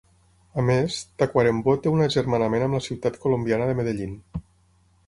A més, Tacuarembó té un agermanament amb la ciutat colombiana de Medellín.